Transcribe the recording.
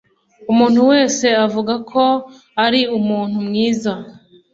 Umuntu wese avuga ko ari umuntu mwiza.